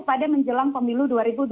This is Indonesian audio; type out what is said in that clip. pada menjelang pemilu dua ribu dua puluh